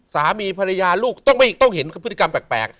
สามีภรรยาลูกต้องเห็นพฤติกรรมแปลก